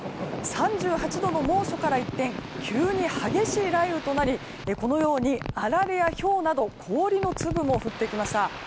３８度の猛暑から一転急に激しい雷雨となりこのようにあられやひょうなど氷の粒も降ってきました。